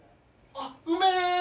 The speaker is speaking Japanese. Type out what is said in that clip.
あっうめえ！